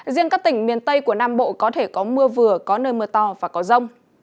riêng các tỉnh miền tây của nam bộ có thể có mưa vừa có nơi mưa to và có rông